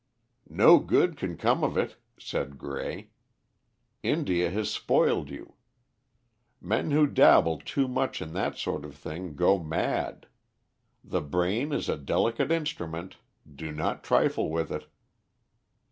"No good can come of it," said Grey. "India has spoiled you. Men who dabble too much in that sort of thing go mad. The brain is a delicate instrument. Do not trifle with it."